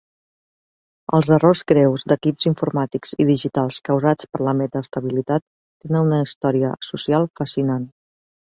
Els errors greus d'equips informàtics i digitals causats per la metaestabilitat tenen una història social fascinant.